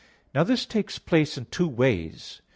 Now this takes place in two ways.